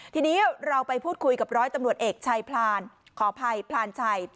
ทีนี้เราไปพูดคุยกับร้อยตำรวจเอกชัยพลานขออภัยพลานชัย